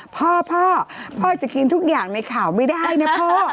พ่อพ่อจะกินทุกอย่างในข่าวไม่ได้นะพ่อ